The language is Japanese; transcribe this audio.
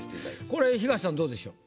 これ東さんどうでしょう？